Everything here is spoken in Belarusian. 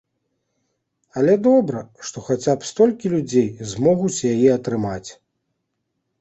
Але добра, што хаця б столькі людзей змогуць яе атрымаць.